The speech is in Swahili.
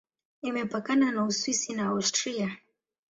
Imepakana na Uswisi na Austria.